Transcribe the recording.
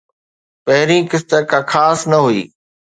پهرين قسط ڪا خاص نه هئي